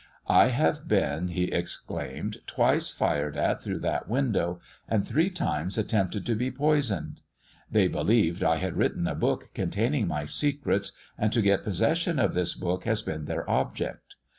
I have been,' he exclaimed, 'twice fired at through that window, and three times attempted to be poisoned. They believed I had written a book containing my secrets, and to get possession of this book has been their object.